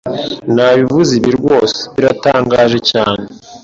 Nabivuze ibi rwose biratangaje cyane